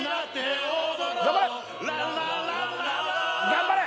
・頑張れ！